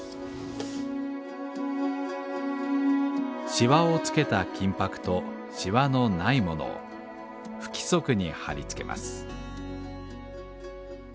シワをつけた金箔とシワのないものを不規則に貼り付けます。